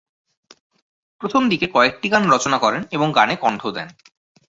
প্রথমদিকে কয়েকটি গান রচনা করেন এবং গানে কণ্ঠ দেন।